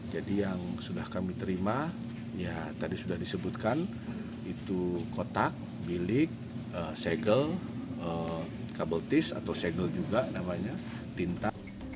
jadi yang sudah kami terima ya tadi sudah disebutkan itu kotak bilik segel kabel tis atau segel juga namanya tinta